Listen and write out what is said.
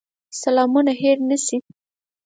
سلامونه هېر نه شي.